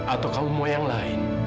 atau kamu mau yang lain